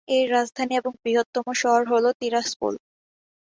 এর রাজধানী এবং বৃহত্তম শহর হলো তিরাসপোল।